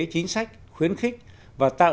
chính sách khuyến khích và tạo